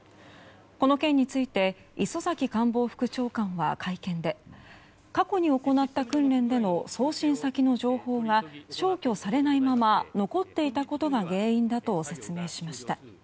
この件について礒崎官房副長官は会見で過去に行った訓練での送信先の情報が消去されないまま残っていたことが原因だと説明しました。